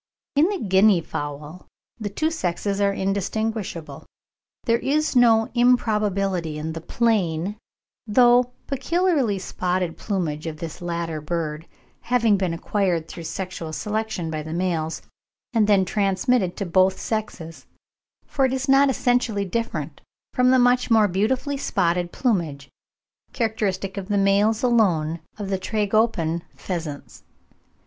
In the guinea fowl the two sexes are indistinguishable. There is no improbability in the plain, though peculiarly spotted plumage of this latter bird having been acquired through sexual selection by the males, and then transmitted to both sexes; for it is not essentially different from the much more beautifully spotted plumage, characteristic of the males alone of the Tragopan pheasants.